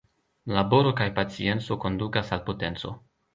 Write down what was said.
Laboro kaj pacienco kondukas al potenco.